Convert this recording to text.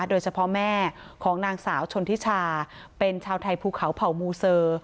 โดยเฉพาะแม่ของนางสาวชนธิชาเป็นชาวไทยภูเขาเผ่ามูเสอ